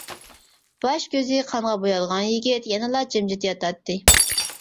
باش كۆزى قانغا بويالغان يىگىت يەنىلا جىمجىت ياتاتتى.